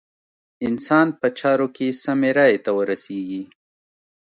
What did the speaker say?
انسان په چارو کې سمې رايې ته ورسېږي.